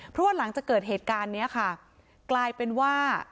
เพราะว่าหลังจากเกิดเหตุการณ์นี้ค่ะกลายเป็นว่า